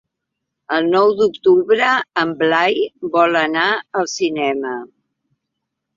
El nou d'octubre en Blai vol anar al cinema.